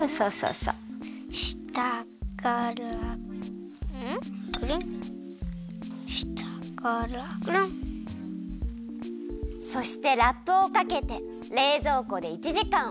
そしてラップをかけてれいぞうこで１時間おくよ。